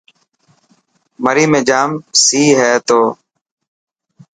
مري ۾ جام سي هئي ٿو.